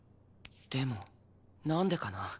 でもなんでかな。